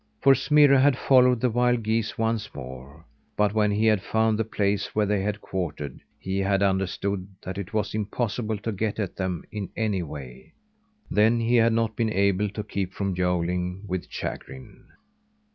For Smirre had followed the wild geese once more. But when he had found the place where they were quartered, he had understood that it was impossible to get at them in any way; then he had not been able to keep from yowling with chagrin.